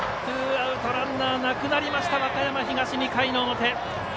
ツーアウトランナーなくなりました和歌山東、２回の表。